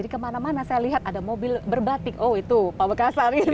di mana mana saya lihat ada mobil berbatik oh itu pamekasan itu ya